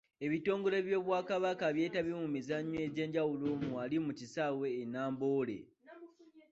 Ebitongole by'Obwakabaka byetabye mu mizannyo egyenjawulo wali mu kisaawe e Namboole.